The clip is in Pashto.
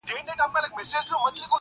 راسه دوې سترگي مي دواړي درله دركړم,